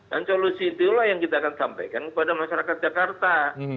dan solusi itulah yang kita akan sampaikan kepada masyarakat jakarta